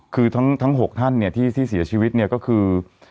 คือทั้ง๖ท่านเนี่ยที่เสียชีวิตเนี่ยก็คือ